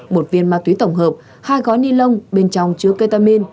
một viên ma túy tổng hợp hai gói ni lông bên trong chứa ketamin